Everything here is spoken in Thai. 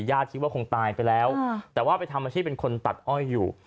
คิดว่าคงตายไปแล้วแต่ว่าไปทำอาชีพเป็นคนตัดอ้อยอยู่